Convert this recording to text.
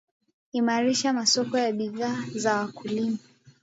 imarisha masoko ya bidhaa za wakulima